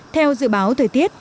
theo dự báo thời tiết